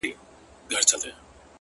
د زړه له درده دا نارۍ نه وهم!!